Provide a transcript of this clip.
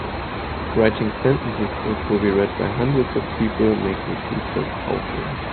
Writing sentences that will be read by hundreds of people makes me feel so powerful!